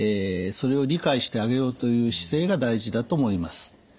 それを理解してあげようという姿勢が大事だと思います。